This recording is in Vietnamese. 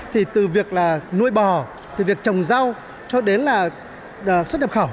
thì từ việc là nuôi bò từ việc trồng rau cho đến là xuất nhập khẩu